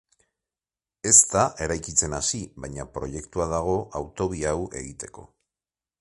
Ez da eraikitzen hasi, baina proiektua dago autobia hau egiteko.